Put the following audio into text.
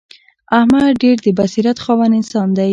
احمد ډېر د بصیرت خاوند انسان دی.